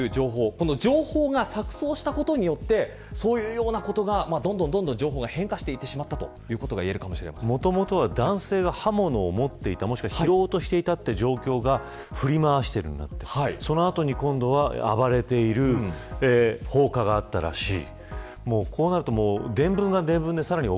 この情報が錯綜したことによってそういうようなことがどんどん情報が変化してしまったということがもともとは男性が刃物を持っていたもしくは拾おうとしていたという状況が振り回しているんだという情報がその後に今度は暴れている放火があったらしい。